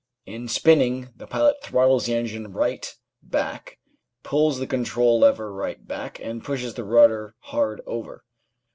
In spinning the pilot throttles the engine right back, pulls the control lever right back, and pushes the rudder hard over.